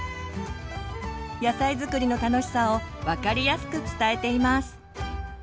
野菜づくりの楽しさを分かりやすく伝えています。